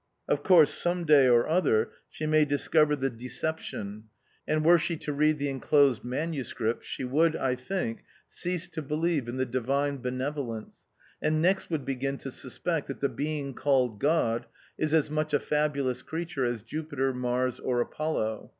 Of course, some day or other she may discover the decep B 1 8 THE OUTCAST. tion ; and were she to read the enclosed manuscript, she would, I think, cease to believe in the Divine benevolence, and next would begin to suspect that the Being called God is as much a fabulous crea ture as Jupiter, Mars, or Apollo.